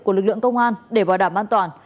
của lực lượng công an để bảo đảm an toàn